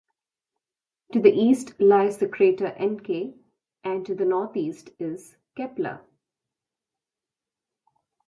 To the east lies the crater Encke, and to the northeast is Kepler.